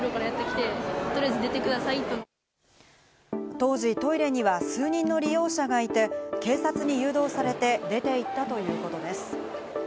当時トイレには数人の利用者がいて、警察に誘導されて、出て行ったということです。